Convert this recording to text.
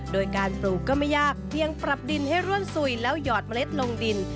โดยการปลูกก็ไม่ยากเพียงปรับดินให้ร่วนสุยแล้วหยอดเมล็ดลงดิน